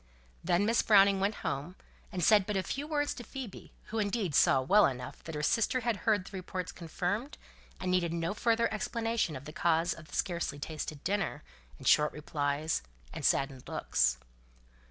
Then Miss Browning went home, and said but a few words to Phoebe, who indeed saw well enough that her sister had heard the reports confirmed, and needed no further explanation of the cause of scarcely tasted dinner, and short replies, and saddened looks.